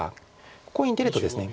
ここに出るとですね